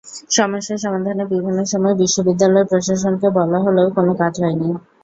সমস্যা সমাধানে বিভিন্ন সময় বিশ্ববিদ্যালয় প্রশাসনকে বলা হলেও কোনো কাজ হয়নি।